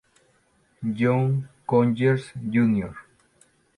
John Conyers, Jr.